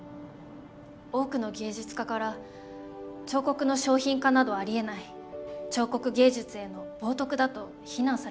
多くの芸術家から「彫刻の商品化などありえない」「彫刻芸術への冒涜だ」と非難されてしまうんです。